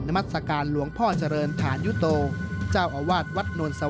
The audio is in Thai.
นมัสกาอนหลวงพ่อเจริญทานยูโตเจ้าอาวาสวัฒนวัดนวลสว่าง